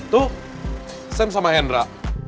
tuh sam sama hendra